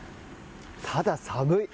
ただ、寒い。